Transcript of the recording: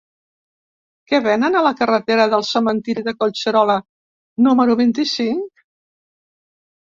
Què venen a la carretera del Cementiri de Collserola número vint-i-cinc?